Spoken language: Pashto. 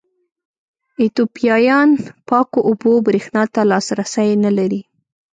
ایتوپیایان پاکو اوبو برېښنا ته لاسرسی نه لري.